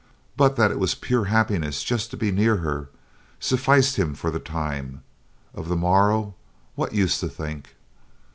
But that it was pure happiness just to be near her, sufficed him for the time; of the morrow, what use to think!